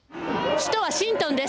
首都ワシントンです。